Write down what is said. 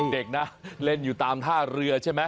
เด็กนะเล่นอยู่ตามท่าเรือใช่ไหม